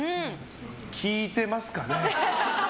聞いてますかね？